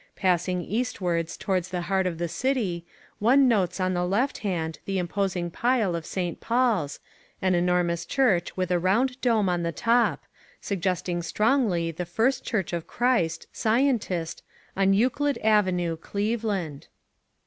Passing eastward towards the heart of the city, one notes on the left hand the imposing pile of St. Paul's, an enormous church with a round dome on the top, suggesting strongly the first Church of Christ (Scientist) on Euclid Avenue, Cleveland.